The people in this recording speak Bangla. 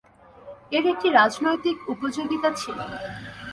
এর একটি রাজনৈতিক উপযোগিতা ছিল।